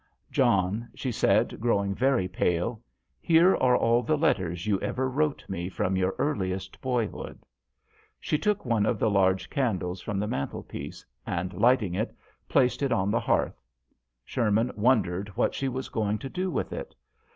"John," she said, growing very pale, " here are all the letters you ever wrote me from your earliest boyhood." She took one of the large candles from the mantlepiece, and, lighting it, placed it on the hearth. Sher man wondered what she was going to do with it.